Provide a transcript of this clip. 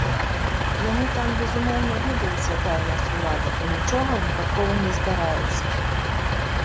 Яны там, безумоўна, ведаюць, якая ў нас улада, бо нічога выпадкова не здараецца.